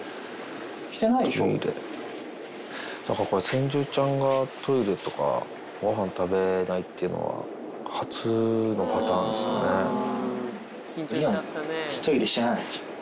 なんかこれ、先住ちゃんがトイレとかごはん食べないっていうのは、初のパターリオン、トイレしてない？